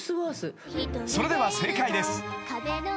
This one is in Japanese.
［それでは正解です］